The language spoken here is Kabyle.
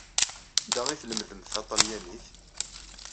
Anda i tlemdemt taṭelyanit?